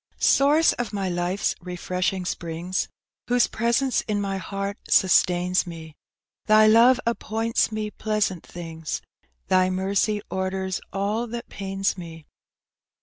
Source of my life's refreshing springs, Whose presence in mj heart sustains me, Thy love appoints me pleasant things, Thy mercy orders all that pains me.